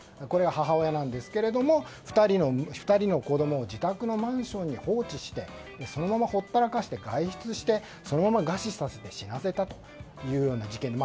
これが母親なんですが２人の子供を自宅のマンションに放置してそのままほったらかして外出してそのまま餓死させて死なせたというような事件。